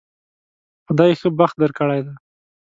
خدای ښه بخت درکړی دی